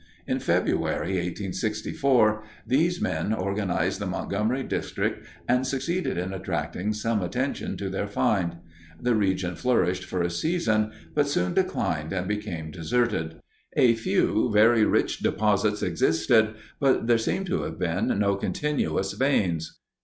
In February, 1864, these men organized the Montgomery District and succeeded in attracting some attention to their find. The region flourished for a season, but soon declined and became deserted. A few very rich deposits existed, but there seem to have been no continuous veins.